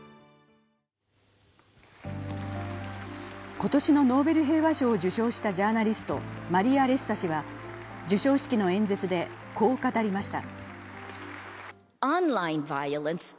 今年のノーベル平和賞を受賞したジャーナリスト、マリア・レッサ氏は授賞式の演説でこう語りました。